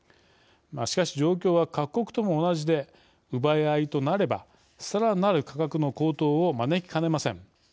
しかし、状況は各国とも同じで奪い合いとなればさらなる価格の高騰を招きかねません。